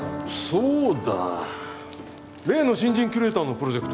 そうだ例の新人キュレーターのプロジェクト